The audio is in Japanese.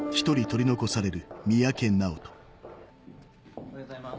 おはようございます。